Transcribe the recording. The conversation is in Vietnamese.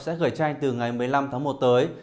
sẽ gửi tranh từ ngày một mươi năm tháng một tới